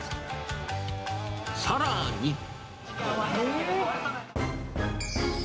さらに。